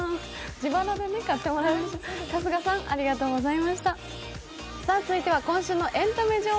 自腹で買ってもらいましょう。